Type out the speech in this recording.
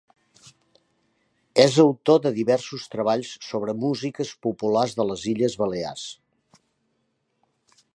És autor de diversos treballs sobre músiques populars de les Illes Balears.